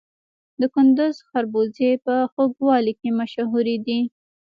د کندز خربوزې په خوږوالي کې مشهورې دي.